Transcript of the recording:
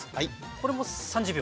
これも３０秒。